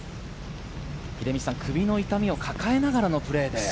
秀道さん、首の痛みを抱えながらのプレーで。